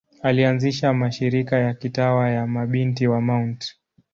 Alianzisha mashirika ya kitawa ya Mabinti wa Mt.